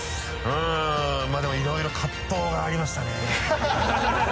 まぁでもいろいろ葛藤がありましたね。